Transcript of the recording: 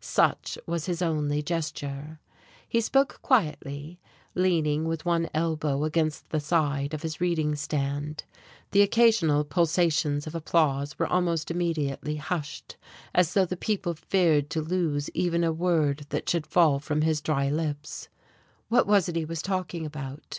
Such was his only gesture. He spoke quietly, leaning with one elbow against the side of his reading stand. The occasional pulsations of applause were almost immediately hushed, as though the people feared to lose even a word that should fall from his dry lips. What was it he was talking about?